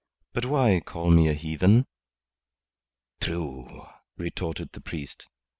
But why call me a heathen?" "True," retorted the priest.